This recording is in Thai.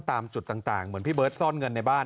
ตามจุดต่างเหมือนพี่เบิร์ตซ่อนเงินในบ้าน